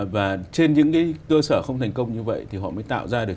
và trên những cái cơ sở không thành công như vậy thì họ mới tạo ra được